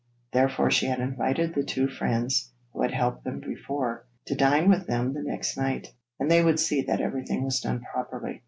Therefore she had invited the two friends who had helped them before, to dine with them the next night, and they would see that everything was done properly.